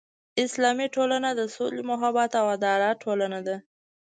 اسلامي ټولنه د سولې، محبت او عدالت ټولنه ده.